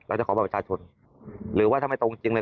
จะขอบัตรประชาชนหรือว่าถ้าไม่ตรงจริงเลย